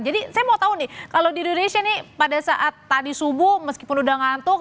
jadi saya mau tahu nih kalau di indonesia nih pada saat tadi subuh meskipun udah ngantuk